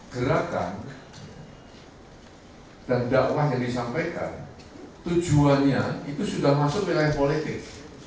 gerakan dan dakwah yang disampaikan tujuannya itu sudah masuk wilayah politik